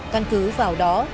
căn cứ vào đó